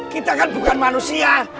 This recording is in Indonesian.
kita kan bukan manusia